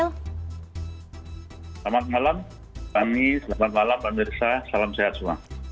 selamat malam fani selamat malam pak mirsa salam sehat semua